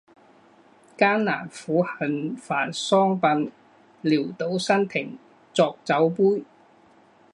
艰难苦恨繁霜鬓，潦倒新停浊酒杯